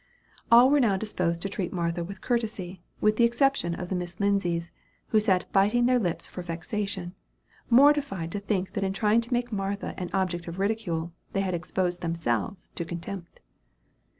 All were now disposed to treat Martha with courtesy, with the exception of the Miss Lindsays, who sat biting their lips for vexation; mortified to think that in trying to make Martha an object of ridicule, they had exposed themselves to contempt.